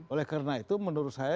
oleh karena itu menurut saya